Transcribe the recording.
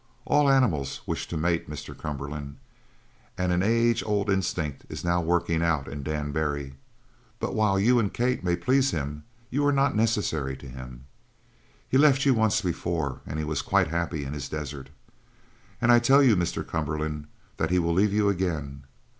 "All animals wish to mate, Mr. Cumberland, and an age old instinct is now working out in Dan Barry. But while you and Kate may please him, you are not necessary to him. He left you once before and he was quite happy in his desert. And I tell you, Mr. Cumberland, that he will leave you again.